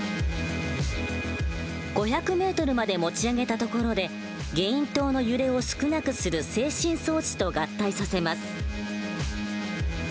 ５００ｍまで持ち上げたところでゲイン塔の揺れを少なくする制振装置と合体させます。